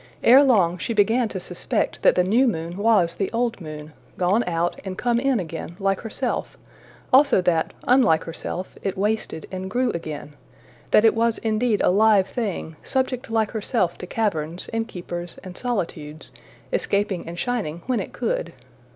Ere long she began to suspect that the new moon was the old moon, gone out and come in again like herself; also that, unlike herself, it wasted and grew again; that it was indeed a live thing, subject like herself to caverns, and keepers, and solitudes, escaping and shining when it could.